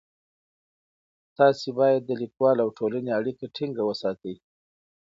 تاسو بايد د ليکوال او ټولني اړيکه ټينګه وساتئ.